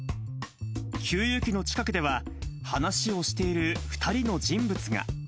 給油機の近くでは、話をしている２人の人物が。